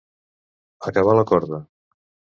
Acabar la corda.